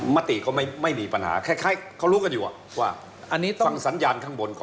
มติก็ไม่มีปัญหาคล้ายเขารู้กันอยู่ว่าอันนี้ฟังสัญญาณข้างบนก่อน